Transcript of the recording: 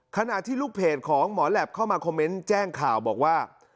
ขณะที่ลูกเพจของหมอแหลปเข้ามาคอมเมนต์แจ้งข่าวบอกว่า